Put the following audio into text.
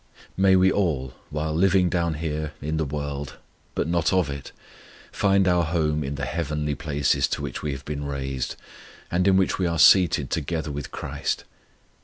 May we all, while living down here, in the world, but not of it, find our home in the heavenly places to which we have been raised, and in which we are seated together with CHRIST.